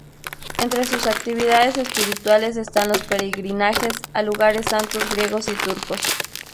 Entre sus actividades espirituales están los peregrinajes a lugares santos griegos y turcos.